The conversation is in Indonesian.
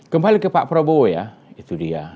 kembali ke pak prabowo ya itu dia